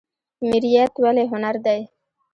میریت ولې هنر دی؟